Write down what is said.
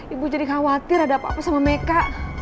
ibu jadi khawatir ada apa apa sama mereka